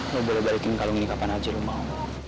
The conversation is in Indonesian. lu boleh balikin kalung ini kapan aja lu mau